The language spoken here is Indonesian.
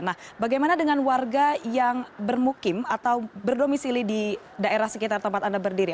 nah bagaimana dengan warga yang bermukim atau berdomisili di daerah sekitar tempat anda berdiri